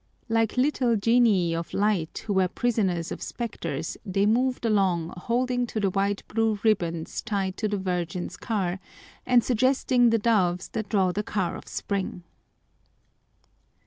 Like little genii of light who were prisoners of specters they moved along holding to the wide blue ribbons tied to the Virgin's car and suggesting the doves that draw the car of Spring.